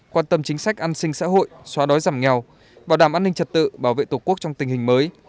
quan tâm chính sách an sinh xã hội xóa đói giảm nghèo bảo đảm an ninh trật tự bảo vệ tổ quốc trong tình hình mới